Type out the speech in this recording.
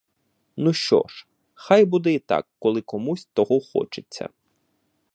Ну що ж, хай буде й так, коли комусь того хочеться.